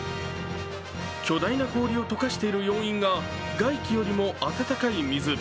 巨大な氷を溶かしている要因が外気よりも温かい水。